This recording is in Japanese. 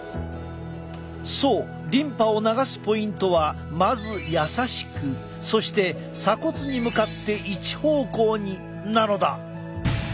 そうリンパを流すポイントはまず「やさしく」そして「鎖骨に向かって一方向に」なのだ！